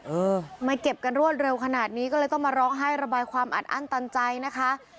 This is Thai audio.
เออไม่เก็บกันรวดเร็วขนาดนี้ก็เลยต้องมาร้องไห้ระบายความอัดอั้นตันใจนะคะ